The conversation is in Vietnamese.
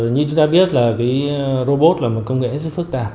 như chúng ta biết là cái robot là một công nghệ rất phức tạp